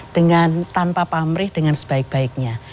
dengan tanpa pamrih dengan sebaik baiknya